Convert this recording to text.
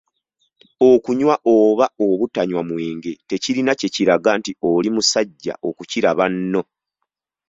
Okunywa oba obutanywa mwenge tekirina kye kiraga nti oli musajja okukira banno.